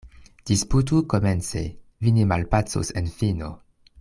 Disputu komence — vi ne malpacos en fino.